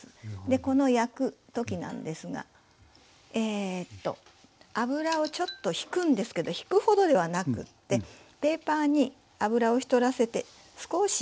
でこの焼く時なんですが油をちょっとひくんですけどひくほどではなくってペーパーに油をひたらせて少し。